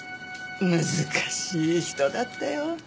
難しい人だったよ。